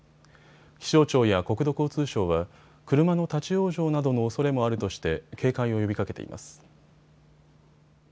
気象庁や国土交通省は車の立往生などのおそれもあるとして警戒を呼びかけています。